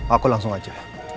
aku langsung aja